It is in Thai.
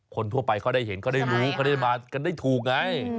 คนทั่วไปเขาได้เห็นเขาได้รู้เขาได้มากันได้ถูกไง